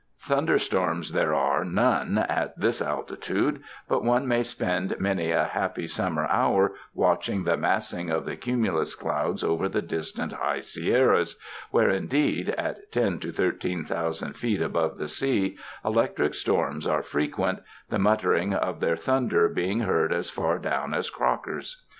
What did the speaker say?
Thun der storms there are none at this altitude, but one may spend many a happy summer hour watching the massing of the cumulus clouds over the distant High Sierras, where indeed at ten to thirteen thou sand feet above the sea, electric storms are frequent, the muttering of their thunder being heard as far down as Crocker's.